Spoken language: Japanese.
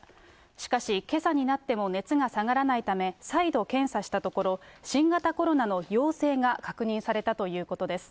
しかし、けさになっても熱が下がらないため、再度検査したところ、新型コロナの陽性が確認されたということです。